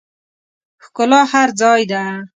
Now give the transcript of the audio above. ښکلا هر ځای ده